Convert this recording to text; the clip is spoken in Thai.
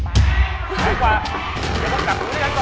แพงกว่า